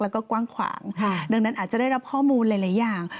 แล้วก็กว้างขวางดังนั้นอาจจะได้รับข้อมูลหลายอย่าง